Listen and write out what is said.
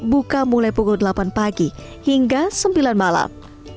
buka mulai pukul delapan pagi hingga sembilan malam